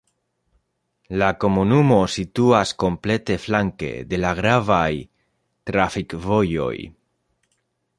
La komunumo situas komplete flanke de la gravaj trafikvojoj.